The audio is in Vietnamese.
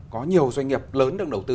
có nhiều doanh nghiệp lớn đang đầu tư